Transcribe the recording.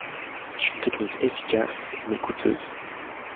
C'est une technique efficace mais coûteuse.